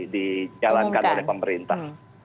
dijalankan oleh pemerintah